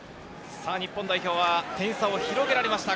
日本代表は点差を広げられました。